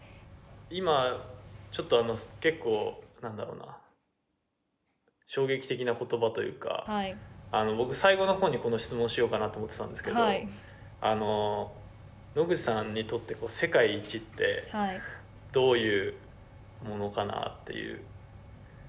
今、ちょっと結構、何だろうな衝撃的なことばというか僕、最後のほうにこの質問をしようかなと思っていたんですけど野口さんにとって世界一ってどういうものかなという。